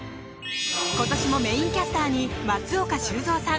今年もメインキャスターに松岡修造さん